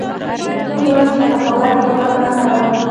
څوک وایي چې سخاوت د ایمان برخه ده